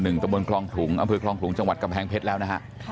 ตะบนคลองขลุงอำเภอคลองขลุงจังหวัดกำแพงเพชรแล้วนะฮะ